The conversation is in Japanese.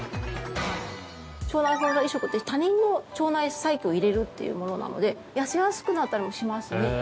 腸内フローラ移植って他人の腸内細菌を入れるというものなので痩せやすくなったりもしますね。